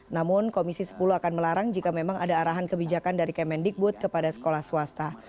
namun komisi sepuluh akan melarang jika memang ada arahan kebijakan dari kemendikbud kepada sekolah swasta